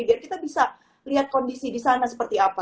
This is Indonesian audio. biar kita bisa lihat kondisi di sana seperti apa